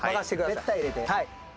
絶対入れて。